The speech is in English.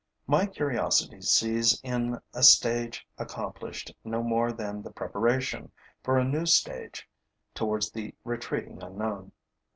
My curiosity sees in a stage accomplished no more than the preparation for a new stage towards the retreating unknown.